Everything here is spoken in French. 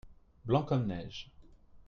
Blanc comme neige.